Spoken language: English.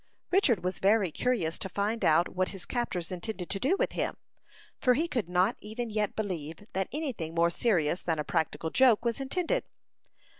Richard was very curious to find out what his captors intended to do with him; for he could not even yet believe that any thing more serious than a practical joke was intended.